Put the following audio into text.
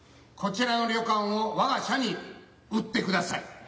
こちらの旅館を我が社に売ってください。